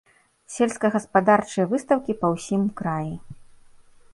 Сельскагаспадарчыя выстаўкі па ўсім краі.